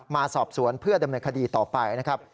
มาสอบสวนเพื่อดำเนินคดีต่อไปนะครับ